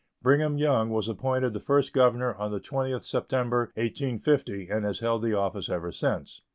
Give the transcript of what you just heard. Brigham Young was appointed the first governor on the 20th September, 1850, and has held the office ever since.